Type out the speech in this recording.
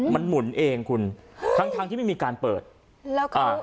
มันหมุนเองคุณทั้งทั้งที่ไม่มีการเปิดแล้วก็อ่า